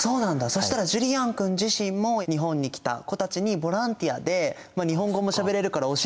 そしたらジュリアン君自身も日本に来た子たちにボランティアで日本語もしゃべれるから教えられるわけじゃん。